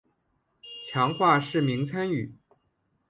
强化市民参与